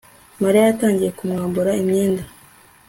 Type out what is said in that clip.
Mariya yatangiye kumwambura imyenda